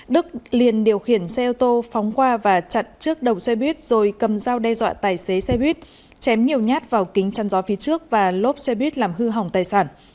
đức liền điều khiển xe ô tô phóng qua và chặn trước đầu xe buýt rồi cầm dao đe dọa tài xế xe buýt chém nhiều nhát vào kính chăn gió phía trước và lốp xe buýt làm hư hỏng tài sản